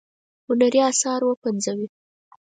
هنري آثار وپنځوي.